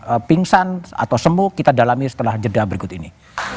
jenderal akan pingsan atau semuk kita dalami setelah jeda berikut ini